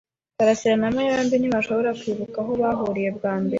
karasira na Mariya bombi ntibashoboraga kwibuka aho bahuriye bwa mbere.